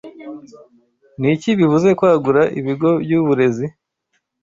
Niki bivuze kwagura ibigo byuburezi